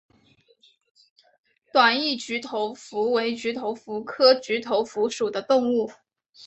短翼菊头蝠为菊头蝠科菊头蝠属的动物。